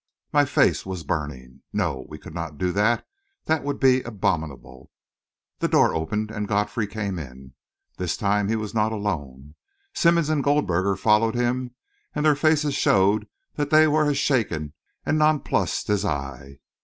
My face was burning. No, we could not do that that would be abominable.... The door opened and Godfrey came in. This time, he was not alone. Simmonds and Goldberger followed him, and their faces showed that they were as shaken and nonplussed as I.